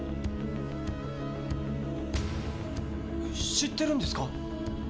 知ってるんですか？